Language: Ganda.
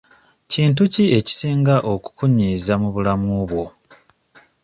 Kintu ki ekisinga okukunyiiza mu bulamu bwo?